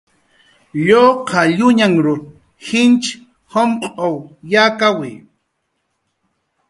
Lluqalluñanhn jich jumq'w yakawi